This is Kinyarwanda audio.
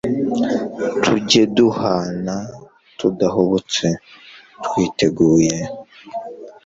tujye duhana tudahubutse, twiteguye